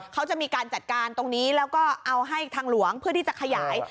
เขาจะมีการจัดการตรงนี้แล้วก็เอาให้ทางหลวงเพื่อที่จะขยาย